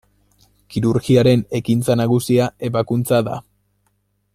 Kirurgiaren ekintza nagusia ebakuntza da.